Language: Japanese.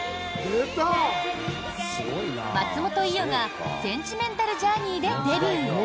松本伊代が「センチメンタル・ジャーニー」でデビュー。